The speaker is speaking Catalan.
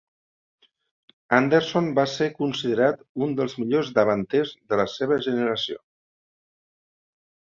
Andersson va ser considerat un dels millors davanters de la seva generació.